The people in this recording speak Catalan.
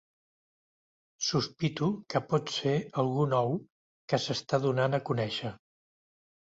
Sospito que pot ser algú nou que s'està donant a conèixer.